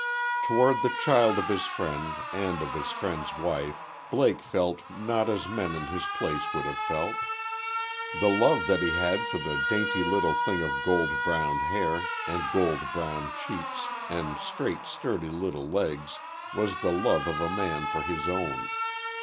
Toward the child of his friend, and of his friend's wife, Blake felt not as men in his place would have felt. The love that he had for the dainty little thing of gold brown hair, and gold brown cheeks, and straight, sturdy little legs was the love of a man for his own.